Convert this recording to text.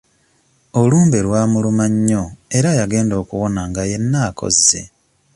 Olumbe lwamuluma nnyo era yagenda okuwona nga yenna akozze.